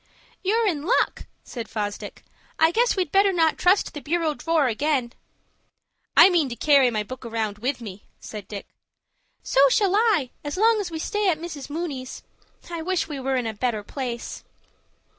"You're in luck," said Fosdick. "I guess we'd better not trust the bureau drawer again." "I mean to carry my book round with me," said Dick. "So shall I, as long as we stay at Mrs. Mooney's. I wish we were in a better place."